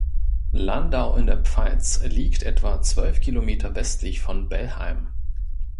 Landau in der Pfalz liegt etwa zwölf Kilometer westlich von Bellheim.